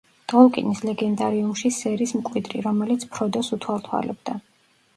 ტოლკინის ლეგენდარიუმში სერის მკვიდრი, რომელიც ფროდოს უთვალთვალებდა.